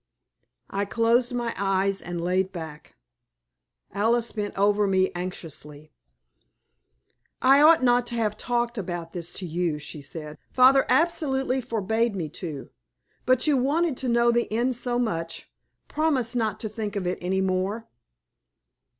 I closed my eyes and laid back. Alice bent over me anxiously. "I ought not to have talked about this to you," she said. "Father absolutely forbade me to, but you wanted to know the end so much. Promise not to think of it any more."